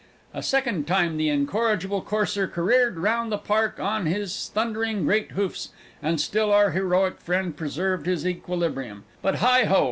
A second time the incorrigible courser careered round the Park on his thundering great hoofs, and still our heroic friend preserved his equilibrium but, heigh ho!